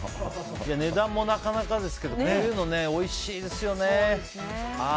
値段もなかなかですけどこれはおいしいですよね。